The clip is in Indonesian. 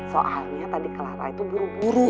soalnya tadi clara itu buru buru